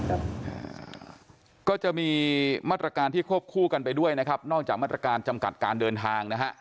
อ่าเฮ่ยก็จะมีมาตรการที่ควบคู่กันไปด้วยนอกจากมาตรการจำกัดการเดินทาง